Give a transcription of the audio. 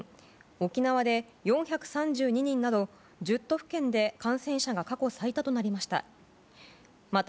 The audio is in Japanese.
沖縄で４３２人など１０都府県で感染者が過去最多となりました。